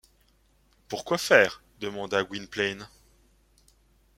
Pourquoi faire ? demanda Gwynplaine.